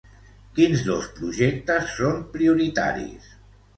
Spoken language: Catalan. Quins dos projectes són prioritaris?